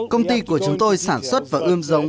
công ty của chúng tôi sản xuất và ươm giống